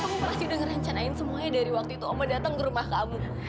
aku pasti udah ngerencanain semuanya dari waktu itu oma datang ke rumah kamu